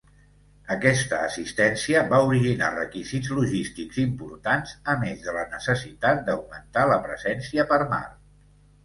Aquesta assistència va originar requisits logístics importants, a més de la necessitat de augmentar la presència per mar.